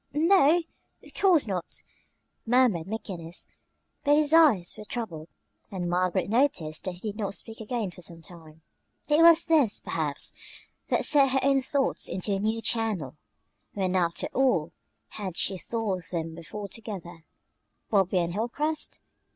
"N no, of course not," murmured McGinnis; but his eyes were troubled, and Margaret noticed that he did not speak again for some time. It was this, perhaps, that set her own thoughts into a new channel. When, after all, had she thought of them before together Bobby and Hilcrest?